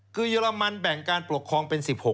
คือเยอรมันแบ่งการปกครองเป็น๑๖